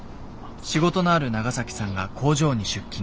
仕事のあるナガサキさんが工場に出勤。